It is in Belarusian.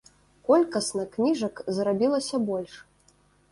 Колькасна кніжак зрабілася больш.